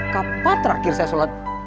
kapan terakhir saya sholat